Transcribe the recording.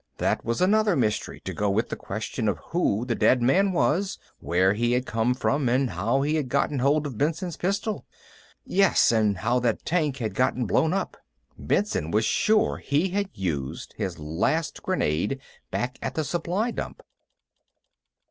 That was another mystery, to go with the question of who the dead man was, where he had come from, and how he'd gotten hold of Benson's pistol. Yes, and how that tank had gotten blown up. Benson was sure he had used his last grenade back at the supply dump.